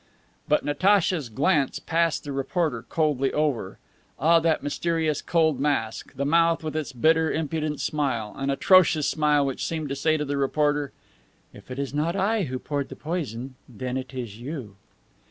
But Natacha's glance passed the reporter coldly over. Ah, that mysterious, cold mask, the mouth with its bitter, impudent smile, an atrocious smile which seemed to say to the reporter: "If it is not I who poured the poison, then it is you!"